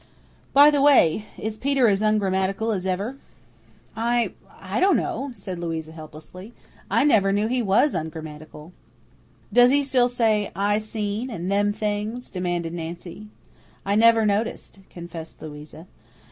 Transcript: By the way, is Peter as ungrammatical as ever?" "I I don't know," said Louisa helplessly. "I never knew he WAS ungrammatical." "Does he still say, 'I seen,' and 'them things'?" demanded Nancy. "I never noticed," confessed Louisa.